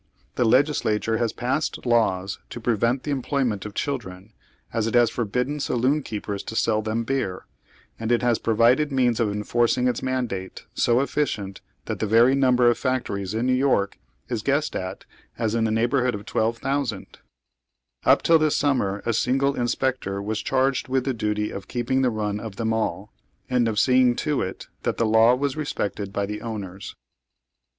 The Legislature lias passed laws to prevent tbe employment of children, as it has forbidden saloon keepers to sell tliem beer, and it has provided means of enforcing its mandate, so efficient, that tlie vei y number of factor'ies in New York is guessed at as in the neighborhood of twelve thousand; ITp till this summer, a single inspector was charged with the duty of keeping th» run of them all, and of seeing to it that the law was respected by tlie owners.